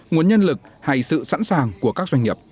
nguồn nhân lực hay sự sẵn sàng của các doanh nghiệp